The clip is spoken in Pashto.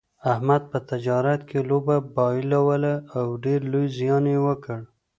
احمد په تجارت کې لوبه بایلوله او ډېر لوی زیان یې وکړ.